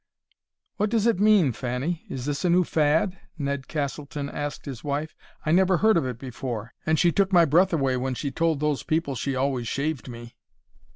"What does it mean, Fanny? Is this a new fad?" Ned Castleton asked his wife. "I never heard of it before, and she took my breath away when she told those people she always shaved me."